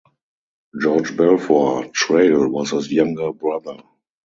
George Balfour Traill was his younger brother.